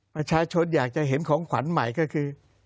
ประชาชนอยากจะเห็นของขวัญใหม่ก็คือ